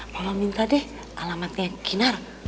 tolong minta deh alamatnya kinar